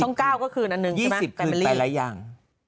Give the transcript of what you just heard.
ท่องเก้าก็คืนอันหนึ่งใช่ไหมหลายยัง